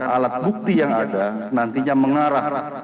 alat bukti yang ada nantinya mengarah